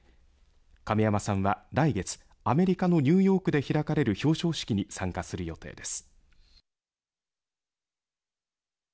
亀山さんは来月アメリカのニューヨークで開かれる表彰式に参加する予定です。